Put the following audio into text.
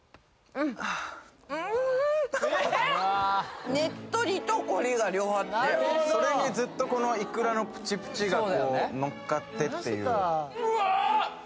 多分ねっとりとコリが両方あってそれにずっといくらのプチプチがのっかってっていううわあっ！